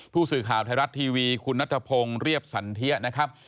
ผู้สื่อข่าวไทยรัฐทีวีคุณนัทพงศ์เรียบสันเทียนะครับ